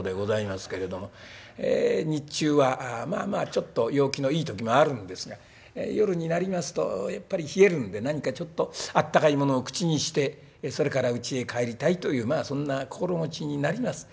日中はまあまあちょっと陽気のいい時もあるんですが夜になりますとやっぱり冷えるんで何かちょっと温かいものを口にしてそれからうちへ帰りたいというそんな心持ちになります。